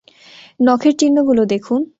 নখের চিহ্নগুলো দেখুন।